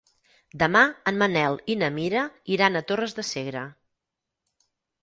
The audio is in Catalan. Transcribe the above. Demà en Manel i na Mira iran a Torres de Segre.